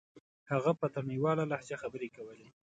هغه په تڼيواله لهجه خبرې کولې.